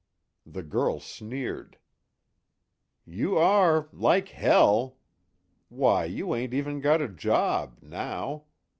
The girl sneered: "You are like hell! Why, you ain't even got a job now.